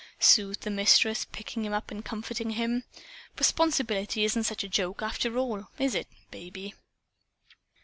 soothed the Mistress, picking him up and comforting him. "Responsibility isn't such a joke, after all, is it, Baby?"